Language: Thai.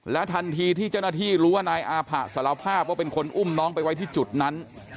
ทันทีที่เจ้าหน้าที่รู้ว่านายอาผะสารภาพว่าเป็นคนอุ้มน้องไปไว้ที่จุดนั้น